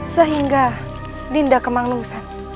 sehingga dinda kemangnusan